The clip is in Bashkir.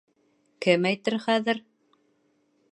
Кем әйтер хәҙер?